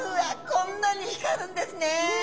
こんなに光るんですね。